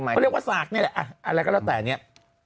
เขาเรียกว่าสากนี่แหละอะไรก็แล้วแต่เนี่ย